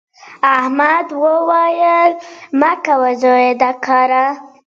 ازادي راډیو د سوداګریز تړونونه په اړه د امنیتي اندېښنو یادونه کړې.